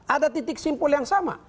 ada titik simpul yang sama